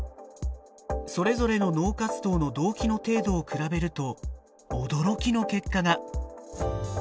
それぞれの脳活動の同期の程度を比べると驚きの結果が。